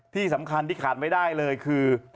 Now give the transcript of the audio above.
ที่สำคัญที่ขาดไม่ได้เลยคือ